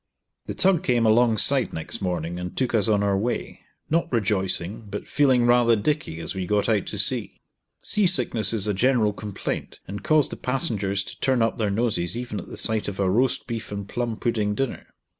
The tug came alongside next morning and took us on our way, not rejoicing, but feeling rather "dicky" as we got out to sea. Sea sickness is a general complaint, and caused the passengers to turn up their noses even at the sight of a roast beef and plum pudding dinner.